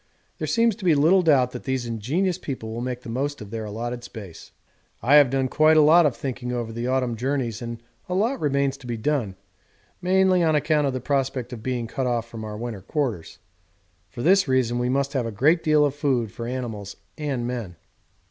There seems to be little doubt that these ingenious people will make the most of their allotted space. I have done quite a lot of thinking over the autumn journeys and a lot remains to be done, mainly on account of the prospect of being cut off from our winter quarters; for this reason we must have a great deal of food for animals and men.